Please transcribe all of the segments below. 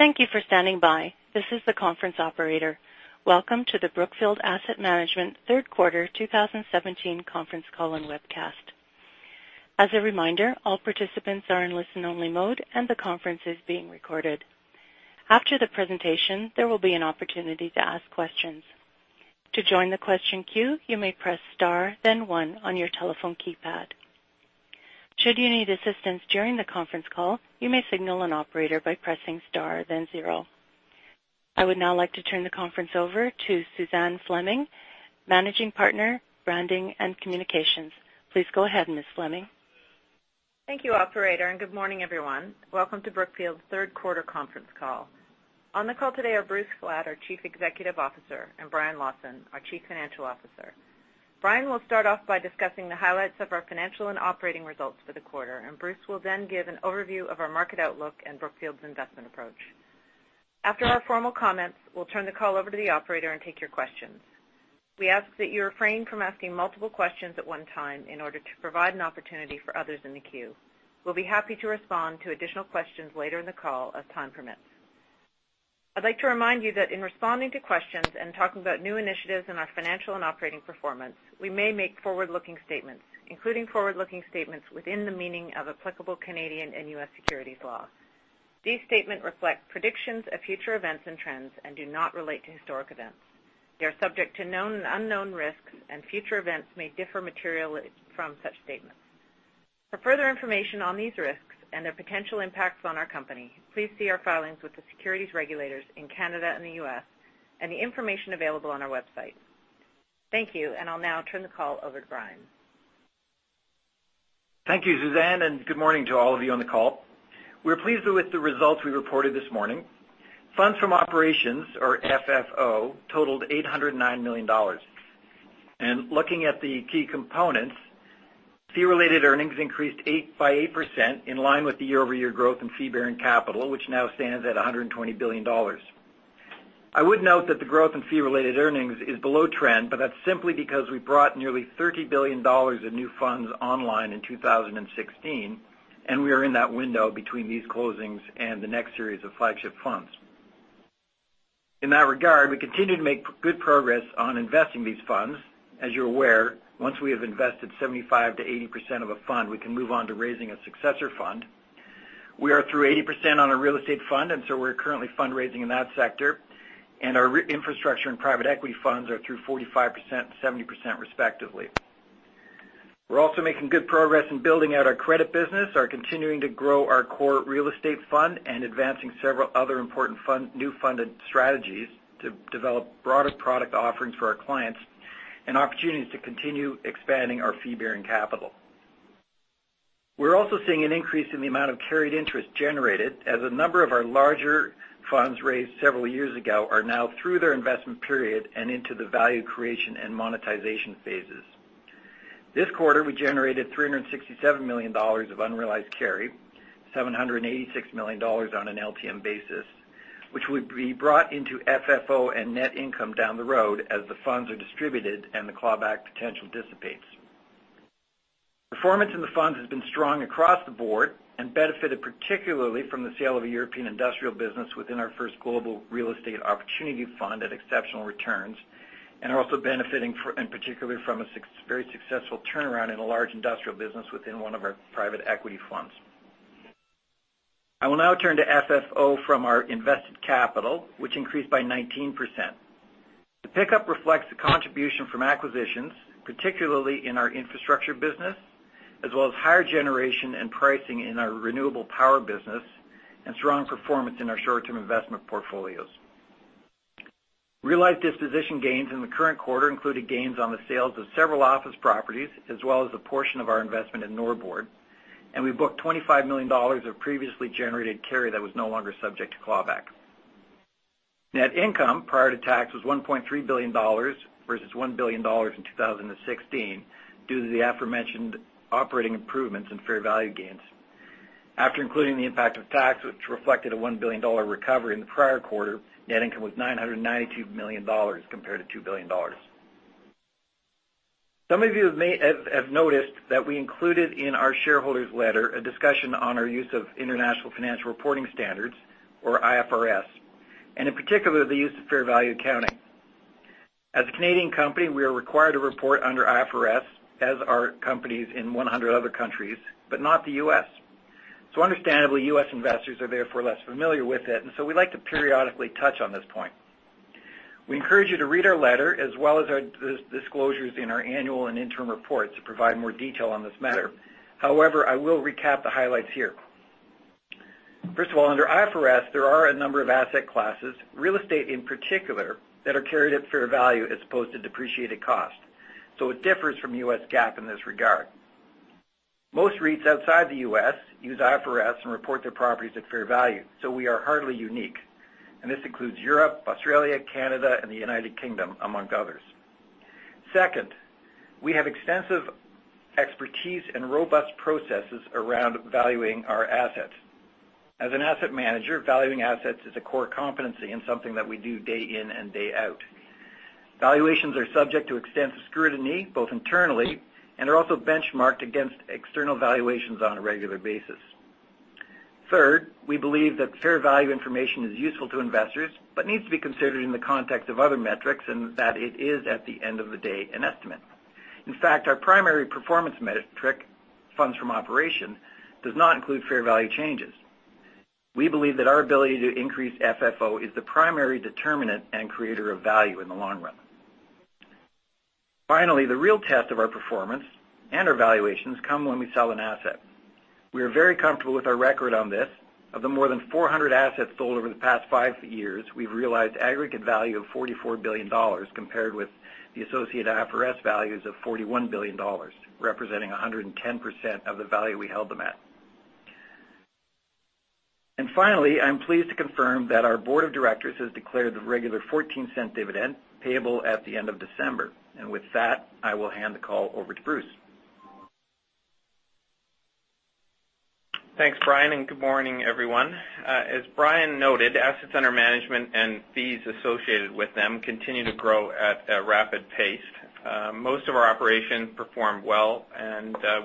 Thank you for standing by. This is the conference operator. Welcome to the Brookfield Asset Management third quarter 2017 conference call and webcast. As a reminder, all participants are in listen-only mode, and the conference is being recorded. After the presentation, there will be an opportunity to ask questions. To join the question queue, you may press star then one on your telephone keypad. Should you need assistance during the conference call, you may signal an operator by pressing star then zero. I would now like to turn the conference over to Suzanne Fleming, Managing Partner, Branding and Communications. Please go ahead, Ms. Fleming. Thank you, operator. Good morning, everyone. Welcome to Brookfield's third quarter conference call. On the call today are Bruce Flatt, our Chief Executive Officer, and Brian Lawson, our Chief Financial Officer. Brian will start off by discussing the highlights of our financial and operating results for the quarter. Bruce will then give an overview of our market outlook and Brookfield's investment approach. After our formal comments, we'll turn the call over to the operator and take your questions. We ask that you refrain from asking multiple questions at one time in order to provide an opportunity for others in the queue. We'll be happy to respond to additional questions later in the call as time permits. I'd like to remind you that in responding to questions and talking about new initiatives in our financial and operating performance, we may make forward-looking statements, including forward-looking statements within the meaning of applicable Canadian and U.S. securities law. These statements reflect predictions of future events and trends and do not relate to historic events. They are subject to known and unknown risks, and future events may differ materially from such statements. For further information on these risks and their potential impacts on our company, please see our filings with the securities regulators in Canada and the U.S. and the information available on our website. Thank you. I'll now turn the call over to Brian. Thank you, Suzanne. Good morning to all of you on the call. We're pleased with the results we reported this morning. Funds from operations, or FFO, totaled $809 million. Looking at the key components, fee-related earnings increased by 8% in line with the year-over-year growth in fee-bearing capital, which now stands at $120 billion. I would note that the growth in fee-related earnings is below trend, that's simply because we brought nearly $30 billion of new funds online in 2016, and we are in that window between these closings and the next series of flagship funds. In that regard, we continue to make good progress on investing these funds. As you're aware, once we have invested 75%-80% of a fund, we can move on to raising a successor fund. We are through 80% on a real estate fund. We're currently fundraising in that sector, and our infrastructure and private equity funds are through 45% and 70%, respectively. We're also making good progress in building out our credit business, are continuing to grow our core real estate fund, and advancing several other important new funded strategies to develop broader product offerings for our clients and opportunities to continue expanding our fee-bearing capital. We're also seeing an increase in the amount of carried interest generated as a number of our larger funds raised several years ago are now through their investment period and into the value creation and monetization phases. This quarter, we generated $367 million of unrealized carry, $786 million on an LTM basis, which would be brought into FFO and net income down the road as the funds are distributed and the clawback potential dissipates. Performance in the funds has been strong across the board and benefited particularly from the sale of a European industrial business within our first global real estate opportunity fund at exceptional returns, and are also benefiting in particular from a very successful turnaround in a large industrial business within one of our private equity funds. I will now turn to FFO from our invested capital, which increased by 19%. The pickup reflects the contribution from acquisitions, particularly in our infrastructure business, as well as higher generation and pricing in our renewable power business and strong performance in our short-term investment portfolios. Realized disposition gains in the current quarter included gains on the sales of several office properties, as well as a portion of our investment in Norbord, and we booked $25 million of previously generated carry that was no longer subject to clawback. Net income prior to tax was $1.3 billion versus $1 billion in 2016 due to the aforementioned operating improvements in fair value gains. After including the impact of tax, which reflected a $1 billion recovery in the prior quarter, net income was $992 million compared to $2 billion. Some of you have noticed that we included in our shareholders' letter a discussion on our use of International Financial Reporting Standards, or IFRS, and in particular, the use of fair value accounting. As a Canadian company, we are required to report under IFRS as are companies in 100 other countries, but not the U.S. Understandably, U.S. investors are therefore less familiar with it, we like to periodically touch on this point. We encourage you to read our letter as well as our disclosures in our annual and interim reports to provide more detail on this matter. However, I will recap the highlights here. First of all, under IFRS, there are a number of asset classes, real estate in particular, that are carried at fair value as opposed to depreciated cost. It differs from U.S. GAAP in this regard. Most REITs outside the U.S. use IFRS and report their properties at fair value, so we are hardly unique. This includes Europe, Australia, Canada, and the United Kingdom, among others. Second, we have extensive expertise and robust processes around valuing our assets. As an asset manager, valuing assets is a core competency and something that we do day in and day out. Valuations are subject to extensive scrutiny, both internally, and are also benchmarked against external valuations on a regular basis. Third, we believe that fair value information is useful to investors, needs to be considered in the context of other metrics, and that it is, at the end of the day, an estimate. In fact, our primary performance metric, funds from operation, does not include fair value changes. We believe that our ability to increase FFO is the primary determinant and creator of value in the long run. Finally, the real test of our performance and our valuations come when we sell an asset. We are very comfortable with our record on this. Of the more than 400 assets sold over the past five years, we've realized aggregate value of $44 billion, compared with the associated IFRS values of $41 billion, representing 110% of the value we held them at. Finally, I'm pleased to confirm that our board of directors has declared the regular $0.14 dividend payable at the end of December. With that, I will hand the call over to Bruce. Thanks, Brian, good morning, everyone. As Brian noted, assets under management and fees associated with them continue to grow at a rapid pace. Most of our operations performed well,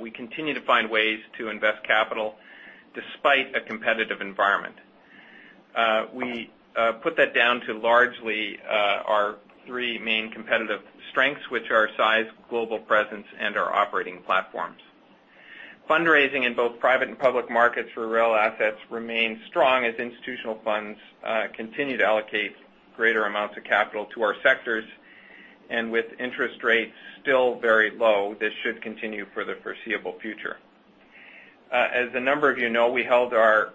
we continue to find ways to invest capital despite a competitive environment. We put that down to largely our three main competitive strengths, which are size, global presence, and our operating platforms. Fundraising in both private and public markets for real assets remains strong as institutional funds continue to allocate greater amounts of capital to our sectors. With interest rates still very low, this should continue for the foreseeable future. As a number of you know, we held our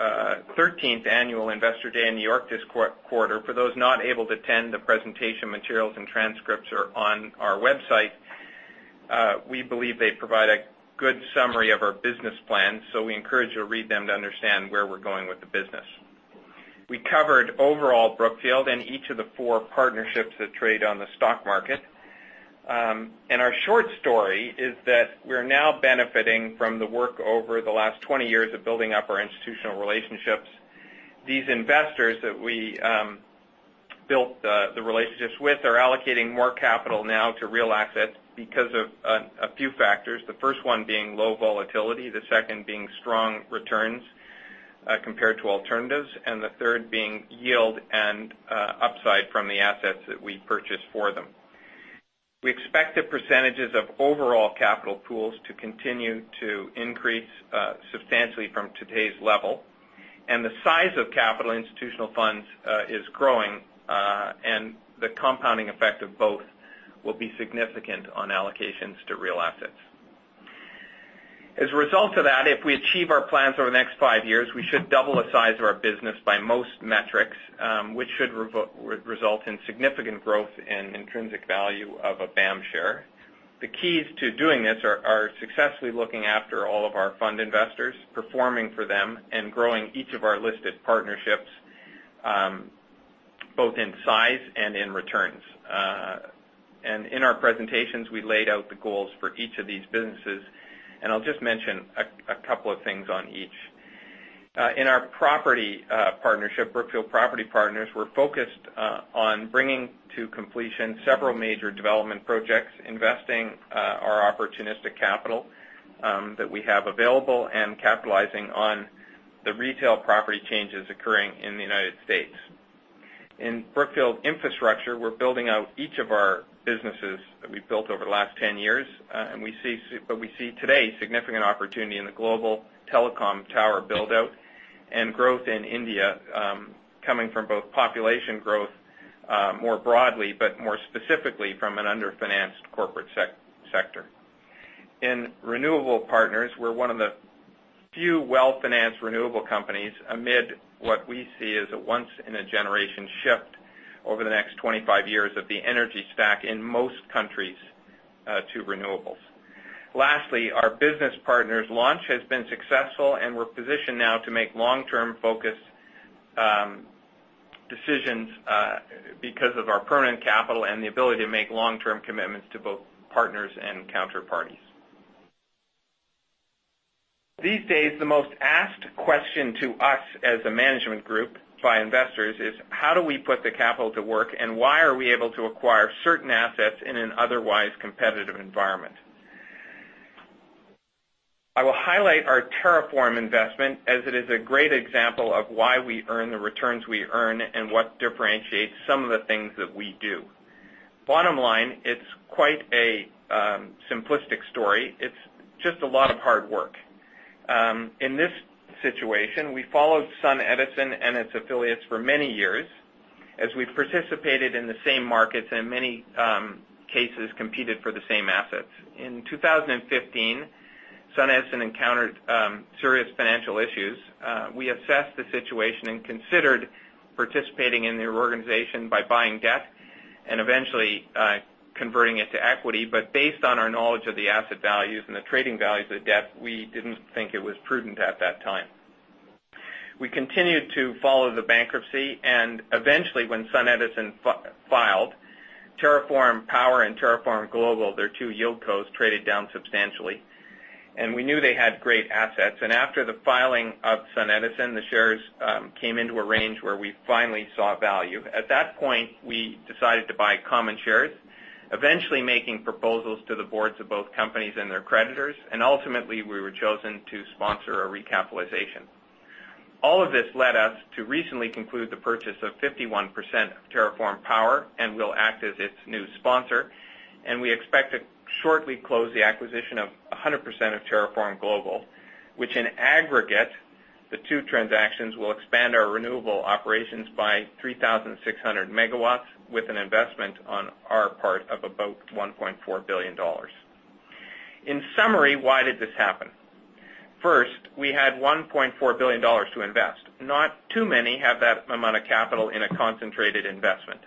13th annual Investor Day in New York this quarter. For those not able to attend, the presentation materials and transcripts are on our website. We believe they provide a good summary of our business plan, we encourage you to read them to understand where we're going with the business. We covered overall Brookfield and each of the four partnerships that trade on the stock market. Our short story is that we're now benefiting from the work over the last 20 years of building up our institutional relationships. These investors that we built the relationships with are allocating more capital now to real assets because of a few factors. The first one being low volatility, the second being strong returns compared to alternatives, and the third being yield and upside from the assets that we purchase for them. We expect the percentages of overall capital pools to continue to increase substantially from today's level. The size of capital institutional funds is growing, the compounding effect of both will be significant on allocations to real assets. As a result of that, if we achieve our plans over the next 5 years, we should double the size of our business by most metrics, which should result in significant growth in intrinsic value of a BAM share. The keys to doing this are successfully looking after all of our fund investors, performing for them, and growing each of our listed partnerships, both in size and in returns. In our presentations, we laid out the goals for each of these businesses, I'll just mention a couple of things on each. In our property partnership, Brookfield Property Partners, we're focused on bringing to completion several major development projects, investing our opportunistic capital that we have available, and capitalizing on the retail property changes occurring in the U.S. In Brookfield Infrastructure, we're building out each of our businesses that we've built over the last 10 years. We see today significant opportunity in the global telecom tower build-out and growth in India, coming from both population growth more broadly, but more specifically from an under-financed corporate sector. In Renewable Partners, we're one of the few well-financed renewable companies amid what we see as a once-in-a-generation shift over the next 25 years of the energy stack in most countries to renewables. Lastly, our Business Partners' launch has been successful, and we're positioned now to make long-term focused decisions because of our permanent capital and the ability to make long-term commitments to both partners and counterparties. These days, the most asked question to us as a management group by investors is: How do we put the capital to work, and why are we able to acquire certain assets in an otherwise competitive environment? I will highlight our TerraForm investment as it is a great example of why we earn the returns we earn and what differentiates some of the things that we do. Bottom line, it's quite a simplistic story. It's just a lot of hard work. In this situation, we followed SunEdison and its affiliates for many years as we participated in the same markets and in many cases, competed for the same assets. In 2015, SunEdison encountered serious financial issues. We assessed the situation and considered participating in the reorganization by buying debt and eventually converting it to equity. Based on our knowledge of the asset values and the trading values of the debt, we didn't think it was prudent at that time. We continued to follow the bankruptcy, eventually, when SunEdison filed, TerraForm Power and TerraForm Global, their two yieldcos, traded down substantially. We knew they had great assets. After the filing of SunEdison, the shares came into a range where we finally saw value. At that point, we decided to buy common shares, eventually making proposals to the boards of both companies and their creditors, and ultimately, we were chosen to sponsor a recapitalization. All of this led us to recently conclude the purchase of 51% of TerraForm Power, and we'll act as its new sponsor. We expect to shortly close the acquisition of 100% of TerraForm Global, which in aggregate, the two transactions will expand our renewable operations by 3,600 megawatts with an investment on our part of about $1.4 billion. In summary, why did this happen? First, we had $1.4 billion to invest. Not too many have that amount of capital in a concentrated investment.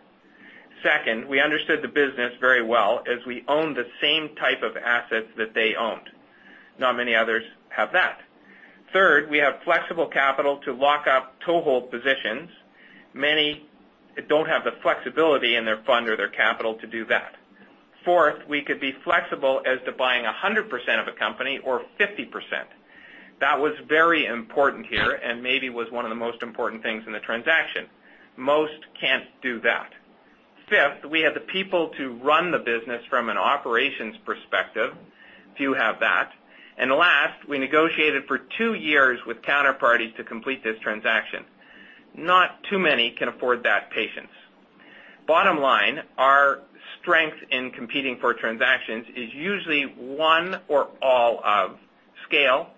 Second, we understood the business very well, as we own the same type of assets that they owned. Not many others have that. Third, we have flexible capital to lock up toehold positions. Many don't have the flexibility in their fund or their capital to do that. Fourth, we could be flexible as to buying 100% of a company or 50%. That was very important here and maybe was one of the most important things in the transaction. Most can't do that. Fifth, we had the people to run the business from an operations perspective. Few have that. Last, we negotiated for two years with counterparties to complete this transaction. Not too many can afford that patience. Bottom line, our strength in competing for transactions is usually one or all of scale,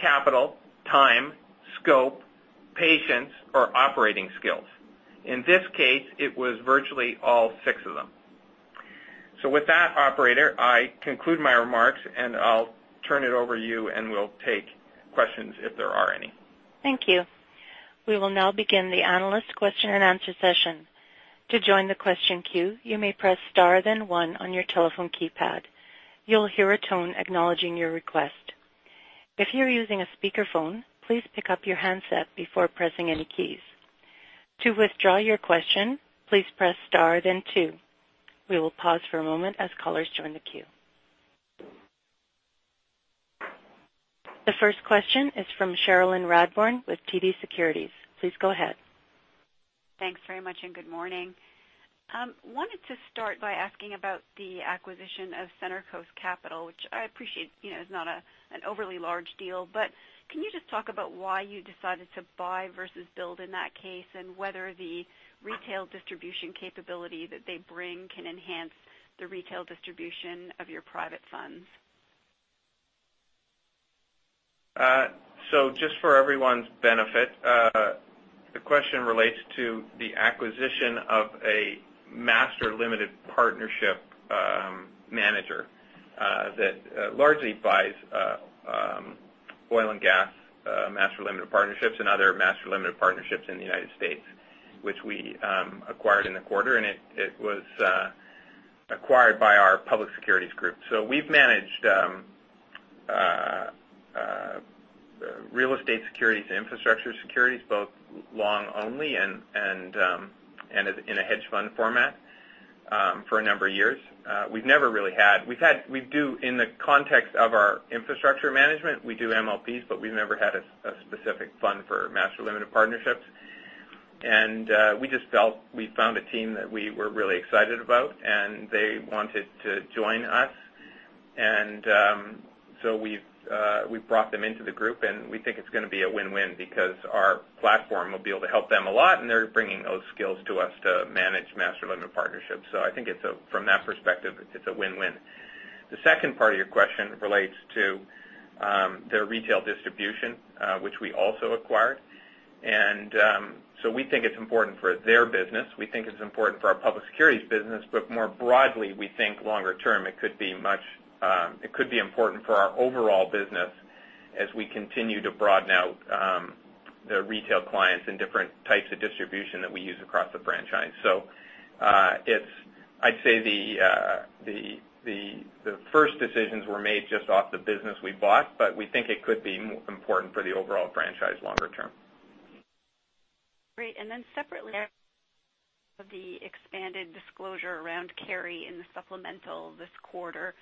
capital, time, scope, patience, or operating skills. In this case, it was virtually all six of them. With that, operator, I conclude my remarks, and I'll turn it over to you, and we'll take questions if there are any. Thank you. We will now begin the analyst question and answer session. To join the question queue, you may press star then one on your telephone keypad. You'll hear a tone acknowledging your request. If you're using a speakerphone, please pick up your handset before pressing any keys. To withdraw your question, please press star then two. We will pause for a moment as callers join the queue. The first question is from Cherilyn Radbourne with TD Securities. Please go ahead. Thanks very much, and good morning. Wanted to start by asking about the acquisition of Center Coast Capital, which I appreciate is not an overly large deal. Can you just talk about why you decided to buy versus build in that case, and whether the retail distribution capability that they bring can enhance the retail distribution of your private funds? Just for everyone's benefit, the question relates to the acquisition of a master limited partnership manager that largely buys oil and gas master limited partnerships and other master limited partnerships in the U.S., which we acquired in the quarter, and it was acquired by our public securities group. We've managed real estate securities, infrastructure securities, both long only and in a hedge fund format for a number of years. In the context of our infrastructure management, we do MLPs, but we've never had a specific fund for master limited partnerships. We just felt we found a team that we were really excited about, and they wanted to join us. We've brought them into the group, and we think it's going to be a win-win because our platform will be able to help them a lot, and they're bringing those skills to us to manage master limited partnerships. I think from that perspective, it's a win-win. The second part of your question relates to their retail distribution which we also acquired. We think it's important for their business. We think it's important for our public securities business. More broadly, we think longer term, it could be important for our overall business as we continue to broaden out the retail clients and different types of distribution that we use across the franchise. I'd say the first decisions were made just off the business we bought, but we think it could be important for the overall franchise longer term. Great. Separately, the expanded disclosure around carry in the supplemental this quarter.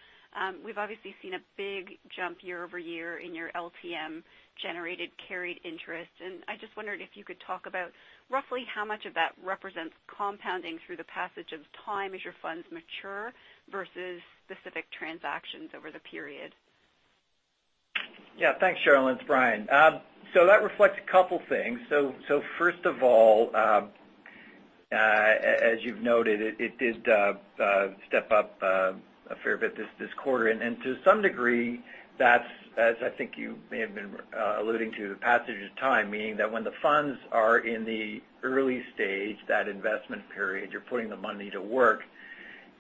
We've obviously seen a big jump year-over-year in your LTM generated carried interest, and I just wondered if you could talk about roughly how much of that represents compounding through the passage of time as your funds mature versus specific transactions over the period. Yeah. Thanks, Cherilyn. It's Brian. That reflects a couple things. First of all, as you've noted, it did step up a fair bit this quarter. To some degree, that's, as I think you may have been alluding to, the passage of time, meaning that when the funds are in the early stage, that investment period, you're putting the money to work,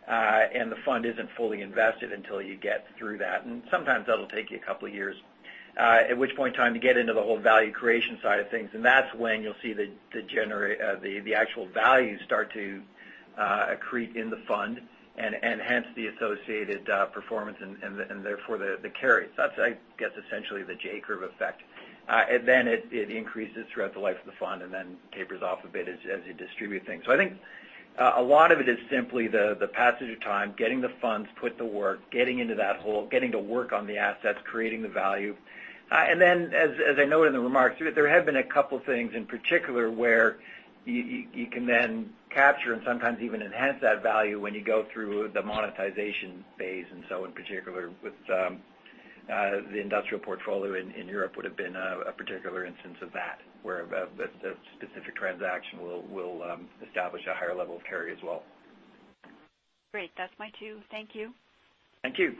and the fund isn't fully invested until you get through that. Sometimes that'll take you a couple of years, at which point in time you get into the whole value creation side of things, and that's when you'll see the actual value start to accrete in the fund and enhance the associated performance and therefore the carry. That's, I guess, essentially the J curve effect. It increases throughout the life of the fund and then tapers off a bit as you distribute things. I think a lot of it is simply the passage of time, getting the funds, put to work, getting into that hole, getting to work on the assets, creating the value. As I noted in the remarks, there have been a couple things in particular where you can then capture and sometimes even enhance that value when you go through the monetization phase. In particular with the industrial portfolio in Europe would've been a particular instance of that, where the specific transaction will establish a higher level of carry as well. Great. That's my two. Thank you. Thank you.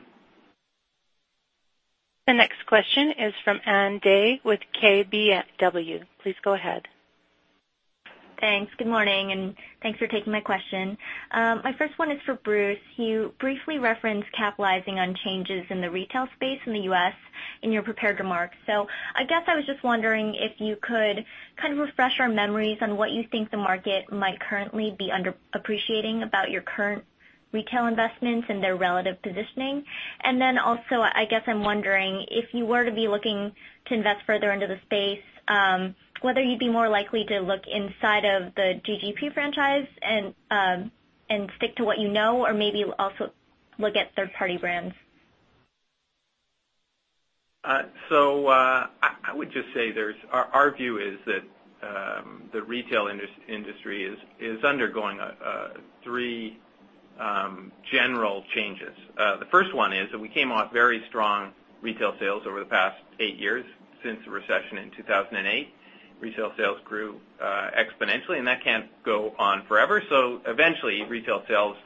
The next question is from Anne Day with KBW. Please go ahead. Thanks. Good morning, and thanks for taking my question. My first one is for Bruce. You briefly referenced capitalizing on changes in the retail space in the U.S. in your prepared remarks. I guess I was just wondering if you could kind of refresh our memories on what you think the market might currently be underappreciating about your current retail investments and their relative positioning. I guess I'm wondering if you were to be looking to invest further into the space, whether you'd be more likely to look inside of the GGP franchise and stick to what you know, or maybe also look at third-party brands. I would just say our view is that the retail industry is undergoing three general changes. The first one is that we came off very strong retail sales over the past eight years since the recession in 2008. Retail sales grew exponentially, that can't go on forever. Eventually, retail sales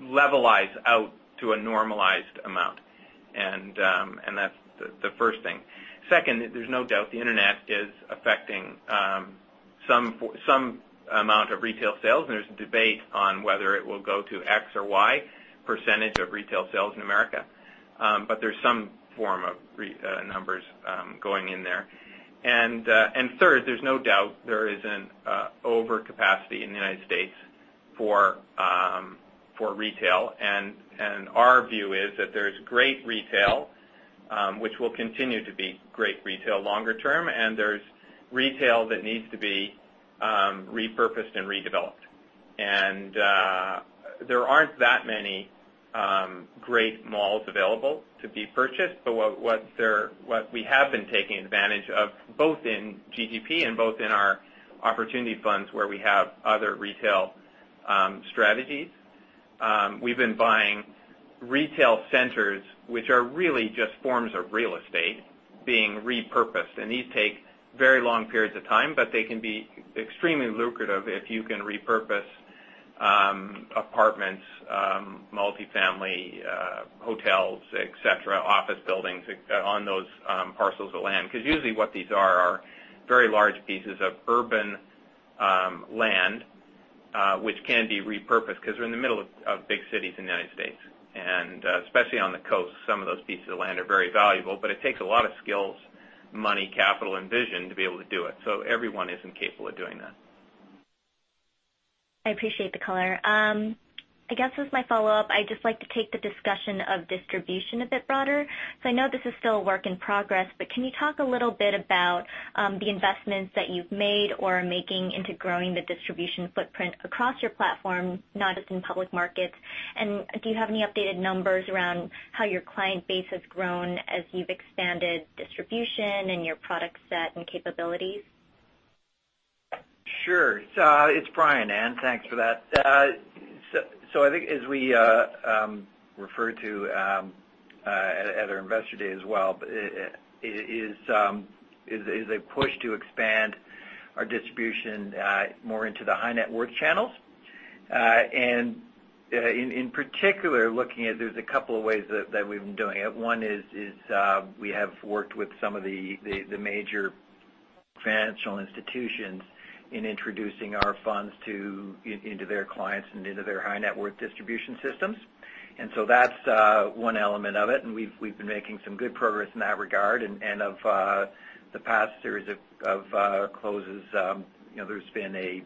levelize out to a normalized amount. That's the first thing. Second, there's no doubt the internet is affecting some amount of retail sales, there's debate on whether it will go to X or Y % of retail sales in America. There's some form of numbers going in there. Third, there's no doubt there is an overcapacity in the United States for retail, our view is that there's great retail, which will continue to be great retail longer term, there's retail that needs to be repurposed and redeveloped. There aren't that many great malls available to be purchased. What we have been taking advantage of, both in GGP and both in our opportunity funds where we have other retail strategies, we've been buying retail centers, which are really just forms of real estate being repurposed. These take very long periods of time, they can be extremely lucrative if you can repurpose apartments, multi-family hotels, et cetera, office buildings on those parcels of land. Usually what these are very large pieces of urban land, which can be repurposed because they're in the middle of big cities in the United States. Especially on the coast, some of those pieces of land are very valuable, it takes a lot of skills, money, capital, and vision to be able to do it. Everyone isn't capable of doing that. I appreciate the color. I guess as my follow-up, I'd just like to take the discussion of distribution a bit broader, I know this is still a work in progress, can you talk a little bit about the investments that you've made or are making into growing the distribution footprint across your platform, not just in public markets? Do you have any updated numbers around how your client base has grown as you've expanded distribution and your product set and capabilities? It's Brian, Anne. Thanks for that. I think as we referred to at our Investor Day as well, is a push to expand our distribution more into the high net worth channels. In particular, there's a couple of ways that we've been doing it. One is we have worked with some of the major financial institutions in introducing our funds into their clients and into their high net worth distribution systems. That's one element of it, and we've been making some good progress in that regard. Of the past series of closes, there's been,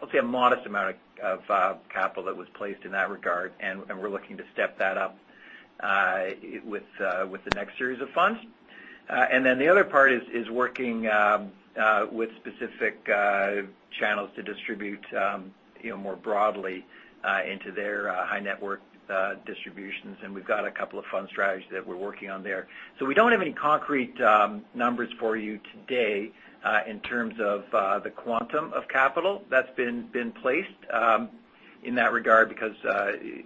let's say, a modest amount of capital that was placed in that regard, and we're looking to step that up with the next series of funds. Then the other part is working with specific channels to distribute more broadly into their high net worth distributions, and we've got a couple of fund strategies that we're working on there. We don't have any concrete numbers for you today in terms of the quantum of capital that's been placed in that regard because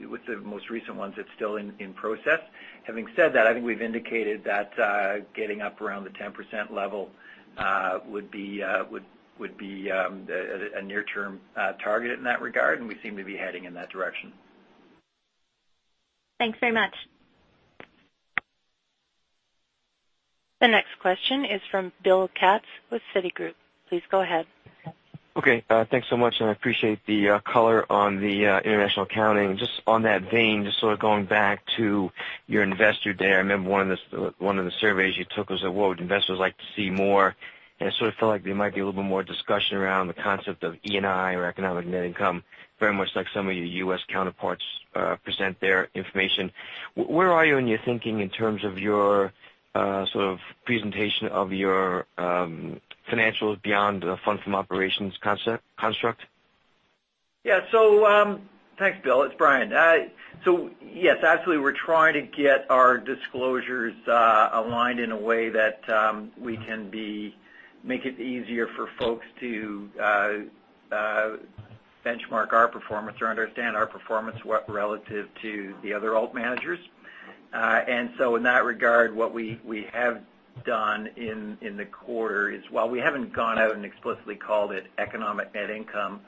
with the most recent ones, it's still in process. Having said that, I think we've indicated that getting up around the 10% level would be a near-term target in that regard, and we seem to be heading in that direction. Thanks very much. The next question is from William Katz with Citigroup. Please go ahead. Okay. Thanks so much. I appreciate the color on the international accounting. Just on that vein, just sort of going back to your Investor Day, I remember one of the surveys you took was, well, would investors like to see more. It felt like there might be a little bit more discussion around the concept of ENI or economic net income, very much like some of your U.S. counterparts present their information. Where are you in your thinking in terms of your presentation of your financials beyond the funds from operations construct? Yeah. Thanks, Bill. It's Brian. Yes, absolutely, we're trying to get our disclosures aligned in a way that we can make it easier for folks to benchmark our performance or understand our performance relative to the other alt managers. In that regard, what we have done in the quarter is while we haven't gone out and explicitly called it economic net income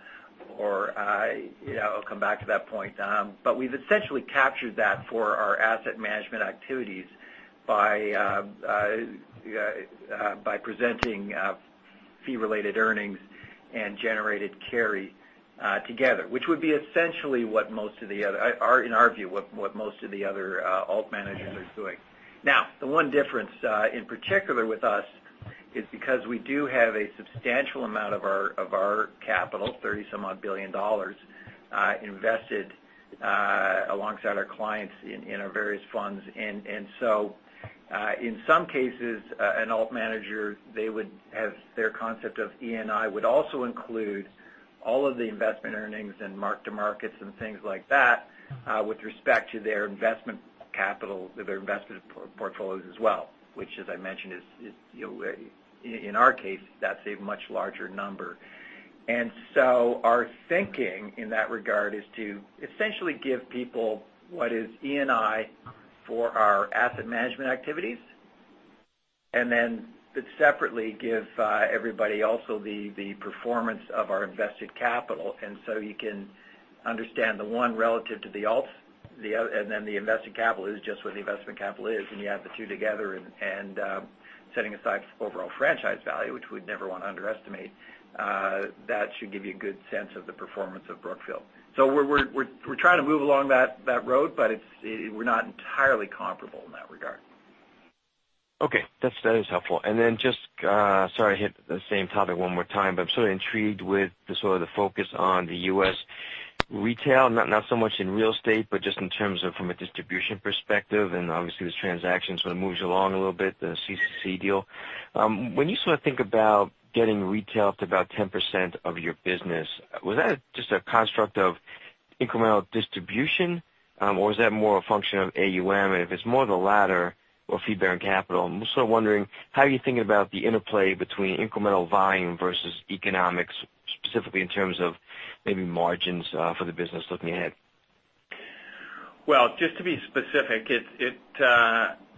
or. I'll come back to that point. We've essentially captured that for our asset management activities by presenting fee-related earnings and generated carry together. Which would be essentially, in our view, what most of the other alt managers are doing. The one difference, in particular with us, is because we do have a substantial amount of our capital, $30-some odd billion, invested alongside our clients in our various funds. In some cases, an alt manager, their concept of ENI would also include all of the investment earnings and mark-to-markets and things like that, with respect to their investment capital, their investment portfolios as well. Which as I mentioned, in our case, that's a much larger number. Our thinking in that regard is to essentially give people what is ENI for our asset management activities, and then separately give everybody also the performance of our invested capital. You can understand the one relative to the alts. The invested capital is just what the investment capital is. You add the two together, and setting aside overall franchise value, which we'd never want to underestimate, that should give you a good sense of the performance of Brookfield. We're trying to move along that road, but we're not entirely comparable in that regard. Okay. That is helpful. Just, sorry to hit the same topic one more time, but I'm sort of intrigued with the sort of the focus on the U.S. retail, not so much in real estate, but just in terms of from a distribution perspective, and obviously this transaction sort of moves along a little bit, the CCC deal. When you sort of think about getting retail up to about 10% of your business, was that just a construct of incremental distribution or is that more a function of AUM? If it's more the latter or fee-bearing capital, I'm also wondering how you think about the interplay between incremental volume versus economics, specifically in terms of maybe margins for the business looking ahead. Well, just to be specific,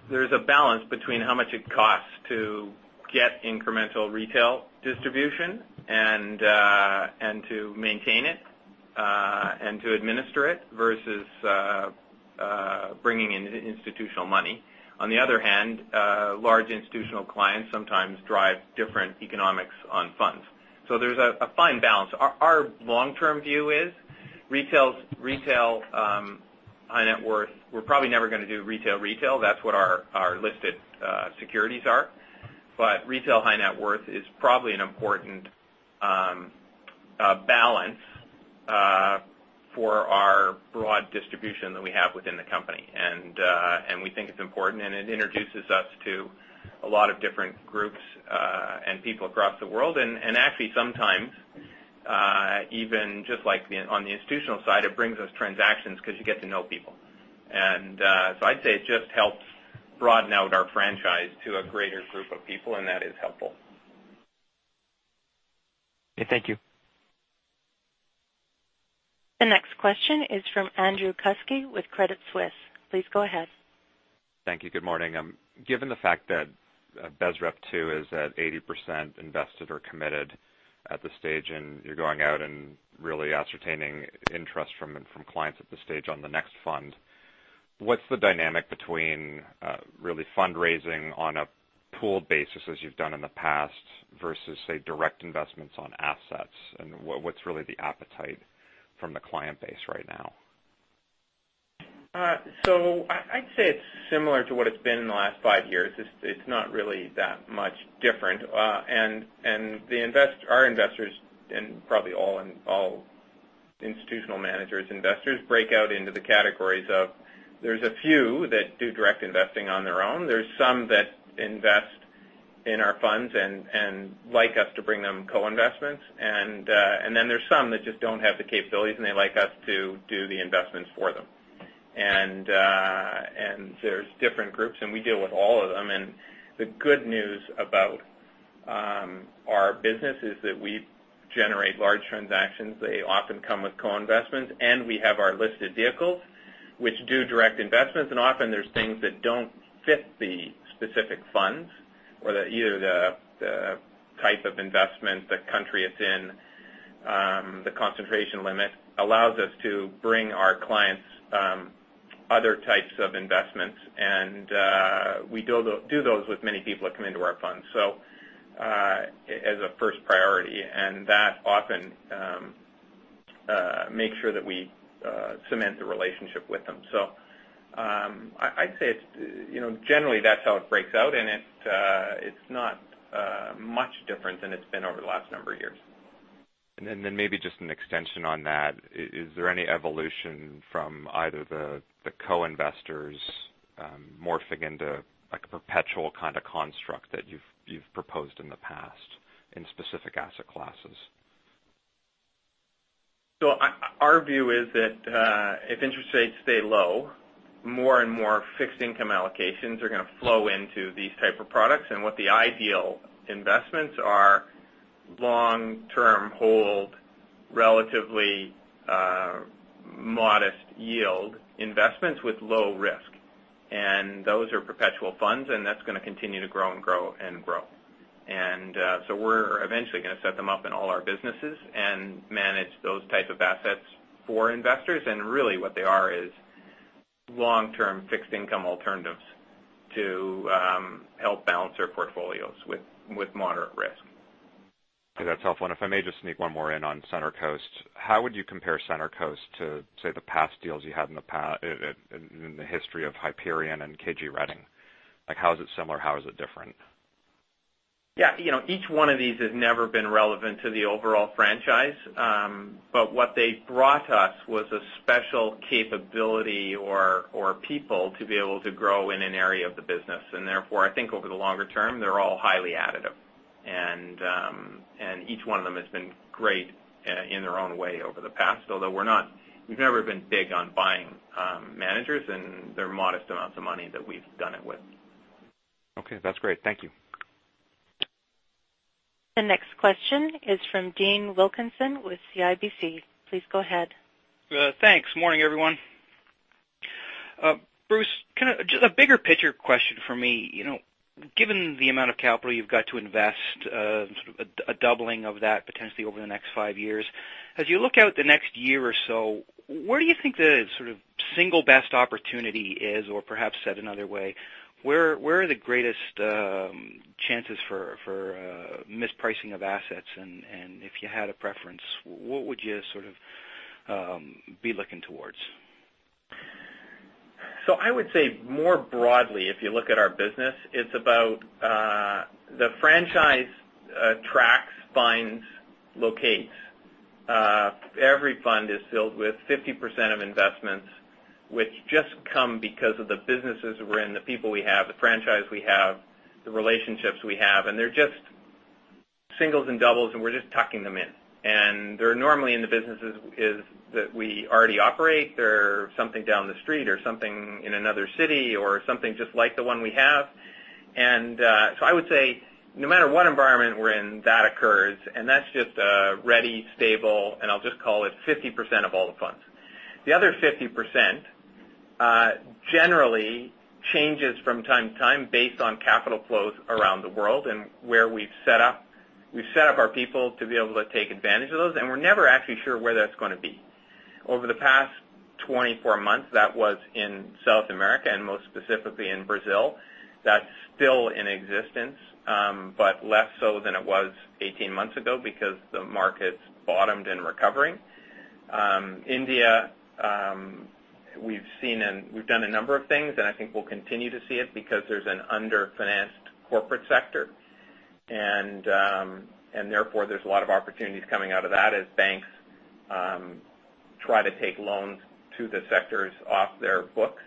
there's a balance between how much it costs to get incremental retail distribution, and to maintain it, and to administer it versus bringing in institutional money. On the other hand, large institutional clients sometimes drive different economics on funds. There's a fine balance. Our long-term view is retail high net worth. We're probably never going to do retail-retail. That's what our listed securities are. Retail high net worth is probably an important balance for our broad distribution that we have within the company. We think it's important, and it introduces us to a lot of different groups and people across the world. Actually, sometimes, even just like on the institutional side, it brings us transactions because you get to know people. I'd say it just helps broaden out our franchise to a greater group of people, and that is helpful. Okay. Thank you. The next question is from Andrew Kuske with Credit Suisse. Please go ahead. Thank you. Good morning. Given the fact that BSREP 2 is at 80% invested or committed at this stage, you're going out and really ascertaining interest from clients at this stage on the next fund, what's the dynamic between really fundraising on a pooled basis as you've done in the past versus, say, direct investments on assets? What's really the appetite from the client base right now? I'd say it's similar to what it's been in the last five years. It's not really that much different. Our investors, and probably all institutional managers investors, break out into the categories of, there's a few that do direct investing on their own. There's some that invest in our funds and like us to bring them co-investments. Then there's some that just don't have the capabilities, and they like us to do the investments for them. There's different groups, and we deal with all of them. The good news about our business is that we generate large transactions. They often come with co-investments, and we have our listed vehicles, which do direct investments. Often there's things that don't fit the specific funds or either the type of investment, the country it's in, the concentration limit allows us to bring our clients other types of investments. We do those with many people that come into our funds. As a first priority. Make sure that we cement the relationship with them. I'd say generally that's how it breaks out, and it's not much different than it's been over the last number of years. Maybe just an extension on that, is there any evolution from either the co-investors morphing into a perpetual kind of construct that you've proposed in the past in specific asset classes? Our view is that if interest rates stay low, more and more fixed income allocations are going to flow into these type of products. What the ideal investments are long-term hold, relatively modest yield investments with low risk. Those are perpetual funds, and that's going to continue to grow and grow and grow. We're eventually going to set them up in all our businesses and manage those type of assets for investors. Really what they are is long-term fixed income alternatives to help balance their portfolios with moderate risk. Okay. That's helpful. If I may just sneak one more in on Center Coast. How would you compare Center Coast to, say, the past deals you had in the history of Hyperion and KG Redding? Like, how is it similar? How is it different? Yeah. Each one of these has never been relevant to the overall franchise. What they brought us was a special capability or people to be able to grow in an area of the business. Therefore, I think over the longer-term, they're all highly additive. Each one of them has been great in their own way over the past, although we've never been big on buying managers, and they're modest amounts of money that we've done it with. Okay. That's great. Thank you. The next question is from Dean Wilkinson with CIBC. Please go ahead. Thanks. Morning, everyone. Bruce, a bigger picture question for me. Given the amount of capital you've got to invest, sort of a doubling of that potentially over the next five years, as you look out the next year or so, where do you think the sort of single best opportunity is? Or perhaps said another way, where are the greatest chances for mispricing of assets, and if you had a preference, what would you sort of be looking towards? I would say more broadly, if you look at our business, it's about the franchise tracks, finds, locates. Every fund is filled with 50% of investments which just come because of the businesses we're in, the people we have, the franchise we have, the relationships we have, and they're just singles and doubles, and we're just tucking them in. They're normally in the businesses that we already operate. They're something down the street or something in another city or something, just like the one we have. I would say, no matter what environment we're in, that occurs, and that's just ready, stable, and I'll just call it 50% of all the funds. The other 50% generally changes from time to time based on capital flows around the world and where we've set up. We've set up our people to be able to take advantage of those, and we're never actually sure where that's going to be. Over the past 24 months, that was in South America and most specifically in Brazil. That's still in existence but less so than it was 18 months ago because the market's bottomed and recovering. India, we've done a number of things, and I think we'll continue to see it because there's an underfinanced corporate sector, and therefore, there's a lot of opportunities coming out of that as banks try to take loans to the sectors off their books.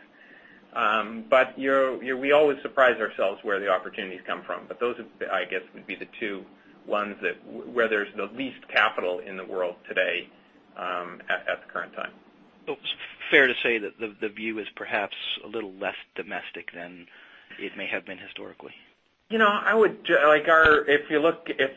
We always surprise ourselves where the opportunities come from. Those, I guess, would be the two ones that where there's the least capital in the world today at the current time. Fair to say that the view is perhaps a little less domestic than it may have been historically. If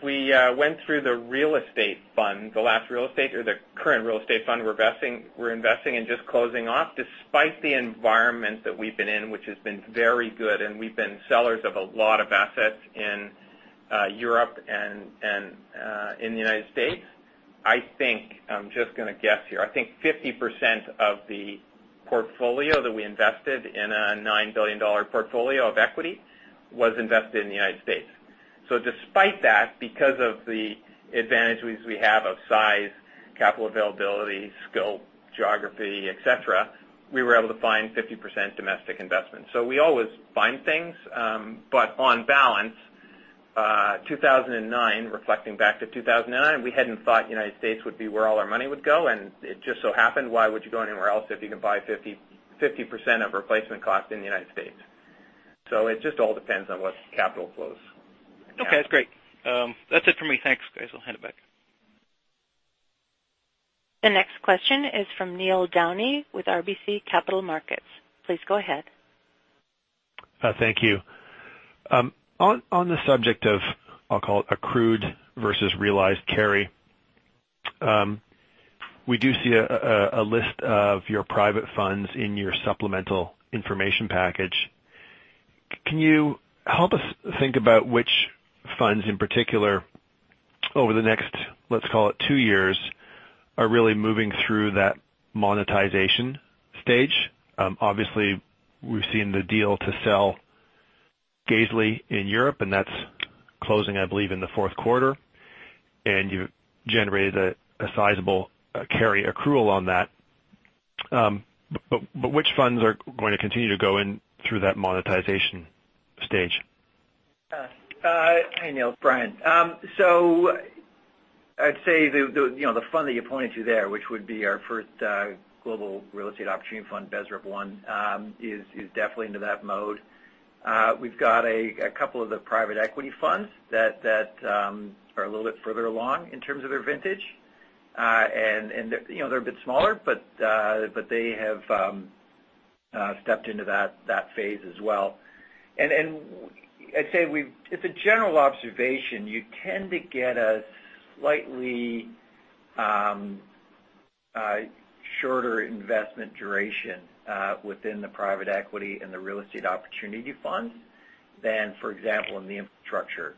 we went through the real estate fund, the last real estate or the current real estate fund we're investing and just closing off, despite the environment that we've been in, which has been very good, and we've been sellers of a lot of assets in Europe and in the U.S. I think I'm just going to guess here. I think 50% of the portfolio that we invested in a $9 billion portfolio of equity was invested in the U.S. Despite that, because of the advantages we have of size, capital availability, scope, geography, et cetera, we were able to find 50% domestic investment. We always find things. On balance, 2009, reflecting back to 2009, we hadn't thought U.S. would be where all our money would go, and it just so happened. Why would you go anywhere else if you can buy 50% of replacement cost in the U.S.? It just all depends on what capital flows. Okay. That's great. That's it for me. Thanks, guys. I'll hand it back. The next question is from Neil Downey with RBC Capital Markets. Please go ahead. Thank you. On the subject of, I'll call it accrued versus realized carry. We do see a list of your private funds in your supplemental information package. Can you help us think about which funds in particular over the next, let's call it two years, are really moving through that monetization stage? Obviously, we've seen the deal to sell Gazeley in Europe, and that's closing, I believe, in the fourth quarter. You generated a sizable carry accrual on that. Which funds are going to continue to go in through that monetization stage? Hey, Neil. Brian. I'd say the fund that you pointed to there, which would be our first global real estate opportunity fund, BSREP I, is definitely into that mode. We've got a couple of the private equity funds that are a little bit further along in terms of their vintage. They're a bit smaller, but they have stepped into that phase as well. I'd say, it's a general observation. You tend to get a slightly shorter investment duration, within the private equity and the real estate opportunity funds than, for example, in the infrastructure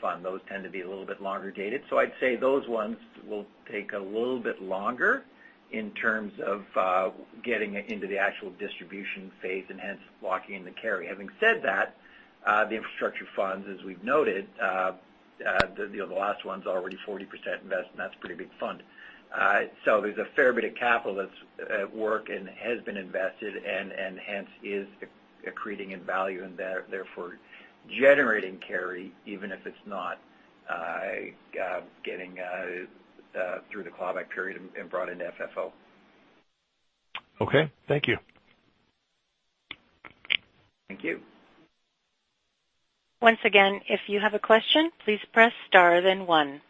fund. Those tend to be a little bit longer dated. I'd say those ones will take a little bit longer in terms of getting into the actual distribution phase and hence locking in the carry. Having said that, the infrastructure funds, as we've noted, the last one's already 40% invested, and that's a pretty big fund. There's a fair bit of capital that's at work and has been invested and hence is accreting in value and therefore generating carry, even if it's not getting through the clawback period and brought into FFO. Okay. Thank you. Thank you. Once again, if you have a question, please press star then one.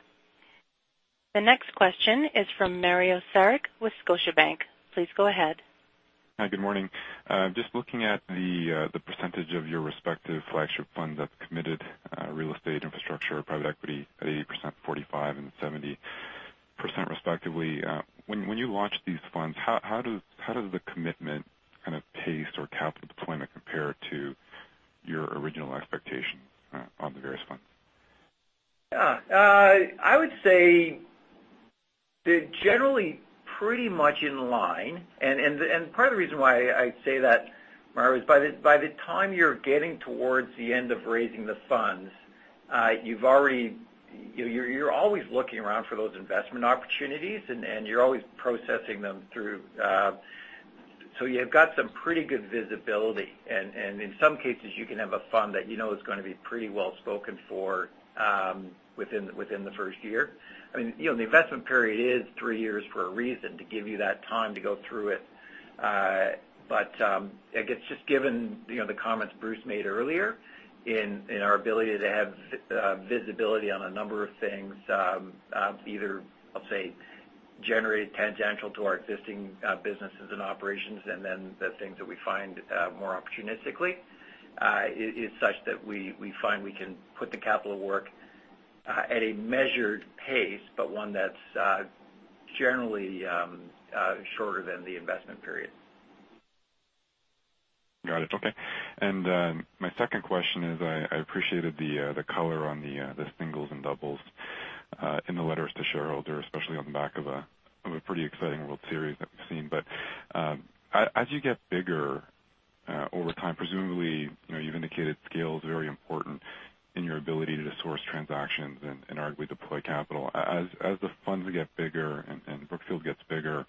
The next question is from Mario Saric with Scotiabank. Please go ahead. Hi, good morning. Just looking at the percentage of your respective flagship funds that committed real estate infrastructure, private equity at 80%, 45% and 70% respectively. When you launch these funds, how does the commitment kind of pace or capital deployment compare to your original expectation on the various funds? Yeah. I would say they're generally pretty much in line. Part of the reason why I say that, Mario, is by the time you're getting towards the end of raising the funds, you're always looking around for those investment opportunities, and you're always processing them through. You've got some pretty good visibility. In some cases, you can have a fund that you know is going to be pretty well spoken for within the first year. I mean, the investment period is three years for a reason, to give you that time to go through it. I guess just given the comments Bruce made earlier in our ability to have visibility on a number of things, either, let's say, generate tangential to our existing businesses and operations, the things that we find more opportunistically, is such that we find we can put the capital to work at a measured pace, but one that's generally shorter than the investment period. Got it. Okay. My second question is, I appreciated the color on the singles and doubles in the letters to shareholders, especially on the back of a pretty exciting World Series that we've seen. As you get bigger over time, presumably, you've indicated scale is very important in your ability to source transactions and arguably deploy capital. As the funds get bigger and Brookfield gets bigger,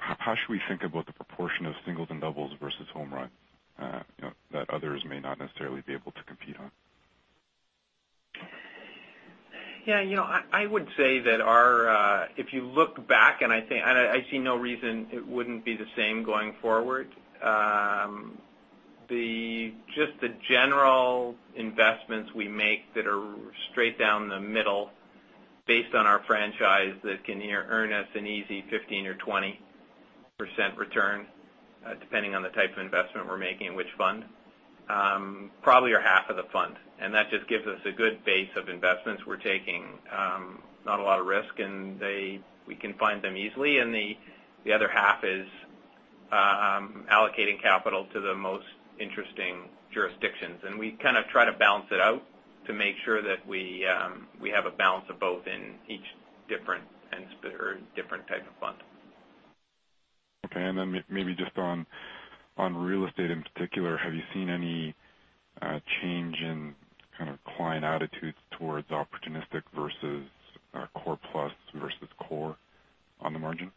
how should we think about the proportion of singles and doubles versus home run that others may not necessarily be able to compete on? Yeah. I would say that if you look back, I see no reason it wouldn't be the same going forward. Just the general investments we make that are straight down the middle based on our franchise that can earn us an easy 15% or 20% return, depending on the type of investment we're making and which fund, probably are half of the fund. That just gives us a good base of investments. We're taking not a lot of risk, and we can find them easily, and the other half is allocating capital to the most interesting jurisdictions. We kind of try to balance it out to make sure that we have a balance of both in each different type of fund. Okay. Maybe just on real estate in particular, have you seen any change in kind of client attitudes towards opportunistic versus core plus versus core on the margin?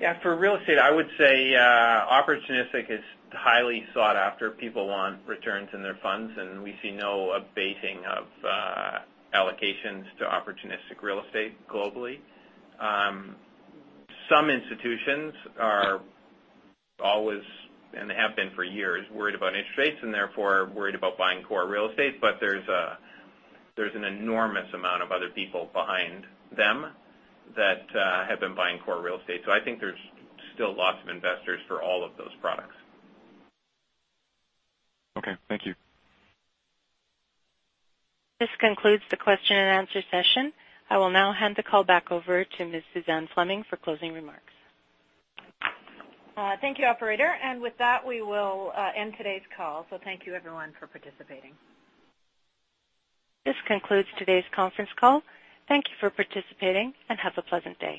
Yeah. For real estate, I would say opportunistic is highly sought after. People want returns in their funds, and we see no abating of allocations to opportunistic real estate globally. Some institutions are always, and have been for years, worried about interest rates and therefore worried about buying core real estate. There's an enormous amount of other people behind them that have been buying core real estate. I think there's still lots of investors for all of those products. Okay. Thank you. This concludes the question and answer session. I will now hand the call back over to Ms. Suzanne Fleming for closing remarks. Thank you, operator. With that, we will end today's call. Thank you everyone for participating. This concludes today's conference call. Thank you for participating, and have a pleasant day.